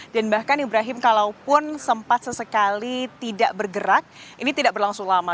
dan bahkan ibrahim kalaupun sempat sesekali tidak bergerak ini tidak berlangsung lama